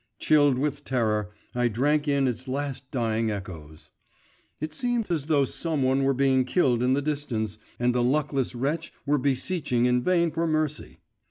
Chilled with terror, I drank in its last dying echoes. It seemed as though some one were being killed in the distance and the luckless wretch were beseeching in vain for mercy.